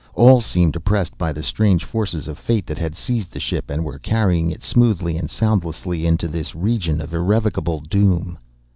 All seemed oppressed by the strange forces of fate that had seized the ship and were carrying it, smoothly and soundlessly, into this region of irrevocable doom.